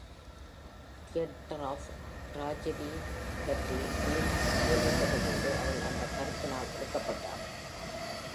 Theatre of tragedy பற்றி Stein கேள்விப்பட்டபோது அவள் அந்த கருத்தினால் எடுக்கப்பட்டாள்.